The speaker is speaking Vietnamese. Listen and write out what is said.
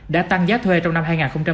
đã tăng giá thuê trong năm hai nghìn hai mươi